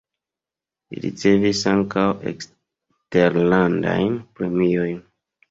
Li ricevis ankaŭ eksterlandajn premiojn.